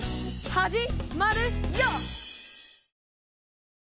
はじ・まる・よ！